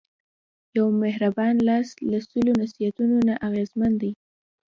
یو مهربان لاس له سلو نصیحتونو نه اغېزمن دی.